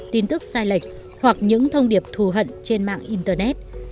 tin tức sai lệch hoặc những thông điệp thù hận trên mạng internet